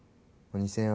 ２０００円